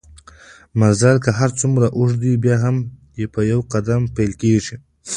مزل که هرڅومره اوږده وي بیا هم په يو قدم پېل کېږي